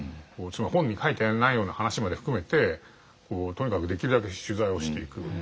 本に書いてないような話まで含めてとにかくできるだけ取材をしていく。